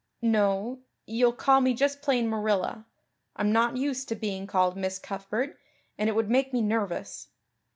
"No; you'll call me just plain Marilla. I'm not used to being called Miss Cuthbert and it would make me nervous."